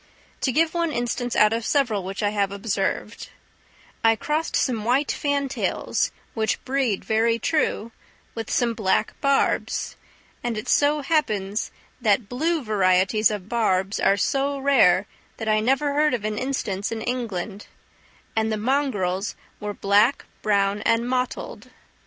To give one instance out of several which I have observed: I crossed some white fantails, which breed very true, with some black barbs—and it so happens that blue varieties of barbs are so rare that I never heard of an instance in England; and the mongrels were black, brown and mottled.